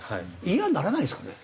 イヤにならないんですかね？